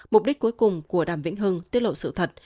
mục đích cuối cùng của đàm vĩnh hưng tiết lộ sự thật